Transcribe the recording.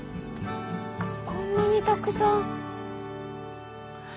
こんなにたくさん。